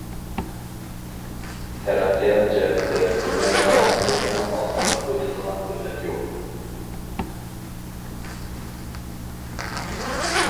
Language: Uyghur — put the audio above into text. تەرەققىيات جەھەتتە دۇنيادا ئامېرىكىنىڭ ئالدىغا ئۆتىدىغان دۆلەت يوق.